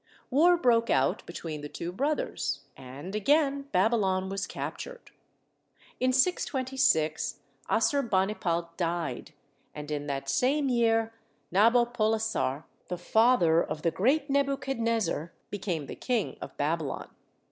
War broke out between the two brothers, and again Babylon was captured. In 626 Assurbanipal died, and in that same year Nabopolassar, the father of the great Nebuchad nezzar, became the King of Babylon.